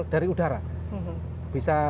dari udara bisa